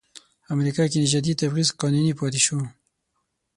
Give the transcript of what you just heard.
امریکا کې نژادي تبعیض قانوني پاتې شو.